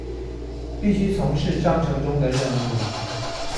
必須從事章程中的任務